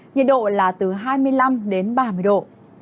nhiệt độ là từ hai mươi năm đến ba mươi độ